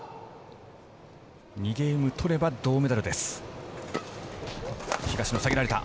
２ゲーム取れば銅メダルです。